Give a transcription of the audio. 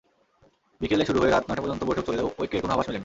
বিকেলে শুরু হয়ে রাত নয়টা পর্যন্ত বৈঠক চললেও ঐক্যের কোনো আভাস মেলেনি।